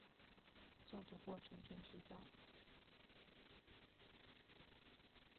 就读过成城学校。